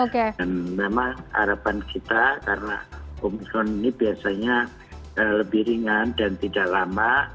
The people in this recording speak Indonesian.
dan memang harapan kita karena omikron ini biasanya lebih ringan dan tidak lama